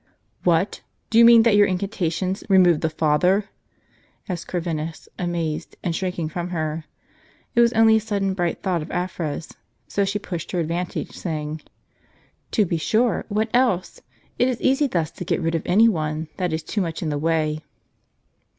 "What! do you mean that your incantations removed the father?" asked Corvinus, amazed, and shrinking from her. It was only a sudden bright thought of Afra's, so she pushed her advantage, saying : "To be sure ; what else ? It is easy thus to get rid of any one that is too much in the way."